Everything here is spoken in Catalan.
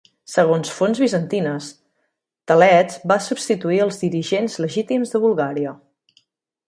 Segons fonts bizantines, Telets va substituir els dirigents legítims de Bulgària.